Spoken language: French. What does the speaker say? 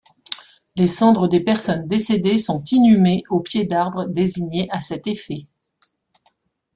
Les cendres des personnes décédées sont inhumées au pied d'arbres désignés à cet effet.